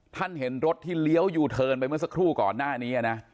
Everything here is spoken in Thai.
เห็นรถที่เลี้ยวยูเทิร์นไปเมื่อสักครู่ก่อนหน้านี้นะ